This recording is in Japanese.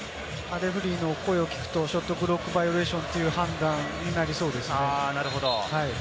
レフェリーの声を聞くと、ショットクロックバイオレーションという判断になりそうですね。